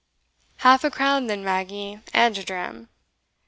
"Half a crown then, Maggie, and a dram."